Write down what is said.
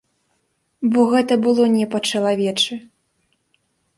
Бо гэта было не па-чалавечы.